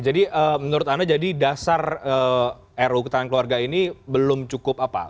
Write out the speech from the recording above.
jadi menurut anda jadi dasar ru ketahanan keluarga ini belum cukup apa